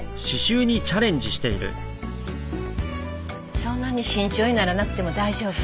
そんなに慎重にならなくても大丈夫よ。